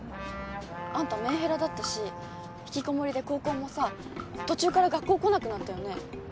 あんたメンヘラだったし引きこもりで高校もさ途中から学校来なくなったよね？